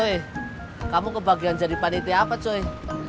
coy kamu kebagian jadi panitia apa coy